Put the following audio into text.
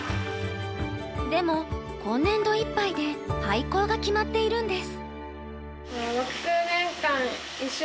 でも今年度いっぱいで廃校が決まっているんです。